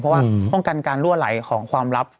เพราะว่าป้องกันการรั่วไหลของความลับ